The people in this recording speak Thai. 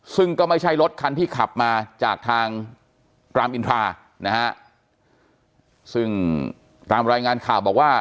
ซึ่งก็ไม่ใช่รถคันที่ขับมาจากทางรามอินทรานะฮะซึ่งตามรายงานข่าวบอกว่า